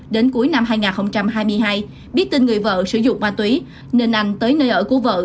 đến cuối năm hai nghìn hai mươi hai biết tin người vợ sử dụng ma túy nên anh tới nơi ở của vợ